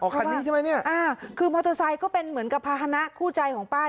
คันนี้ใช่ไหมเนี่ยอ่าคือมอเตอร์ไซค์ก็เป็นเหมือนกับภาษณะคู่ใจของป้า